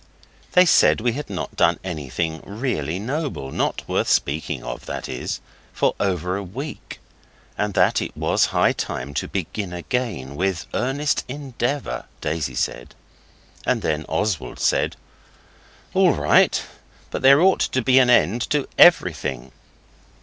They said we had not done anything really noble not worth speaking of, that is for over a week, and that it was high time to begin again 'with earnest endeavour', Daisy said. So then Oswald said 'All right; but there ought to be an end to everything.